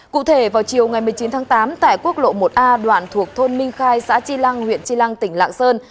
cụ thể vào chiều ngày một mươi chín tháng tám tại quốc lộ một a đoạn thuộc thôn minh khai xã tri lăng huyện tri lăng tỉnh lạng sơn